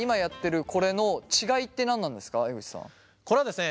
これはですね